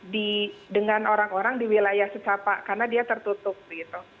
dengan orang orang di wilayah secapak karena dia tertutup gitu